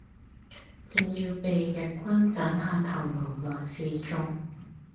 正要被日軍砍下頭顱來示衆，